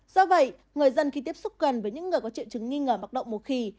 do vậy người dân khi tiếp xúc gần với những người có triệu chứng nghi ngờ mắc động mù khi